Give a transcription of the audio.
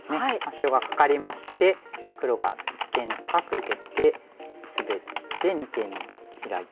白がカカりまして黒が一間に高く受けてスベって二間にヒラいたと。